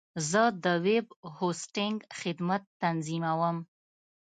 زه د ویب هوسټنګ خدمت تنظیموم.